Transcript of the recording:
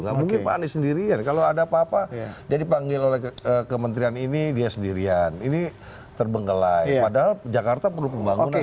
nggak mungkin pak anies sendirian kalau ada apa apa dia dipanggil oleh kementerian ini dia sendirian ini terbengkelai padahal jakarta perlu pembangunan